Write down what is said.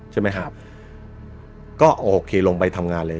ใช่ไหมครับก็โอเคลงไปทำงานเลย